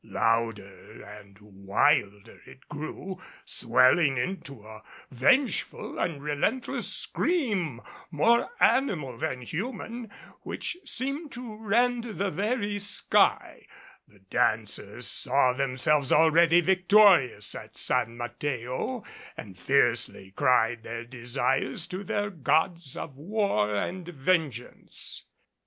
Louder and wilder it grew, swelling into a vengeful and relentless scream, more animal than human, which seemed to rend the very sky. The dancers saw themselves already victorious at San Mateo and fiercely cried their desires to their gods of war and vengeance.